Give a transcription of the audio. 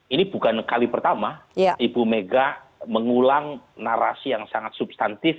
ini bukan kali pertama ibu mega mengulang narasi yang sangat substantif